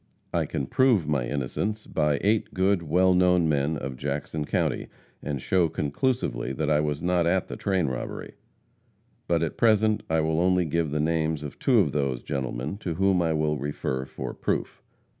I can prove my innocence by eight good, well known men of Jackson county, and show conclusively that I was not at the train robbery. But at present I will only give the names of two of those gentlemen to whom I will refer for proof.